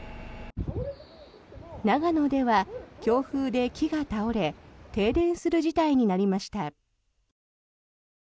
長野では強風で木が倒れ停電する事態になりました。